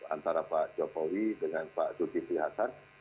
antara pak jokowi dengan pak zulkifli hasan